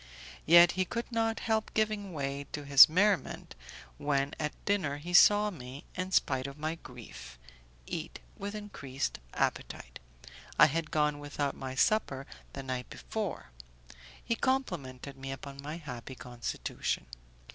Yet he could not help giving way to his merriment when at dinner he saw me, in spite of my grief, eat with increased appetite; I had gone without my supper the night before; he complimented me upon my happy constitution.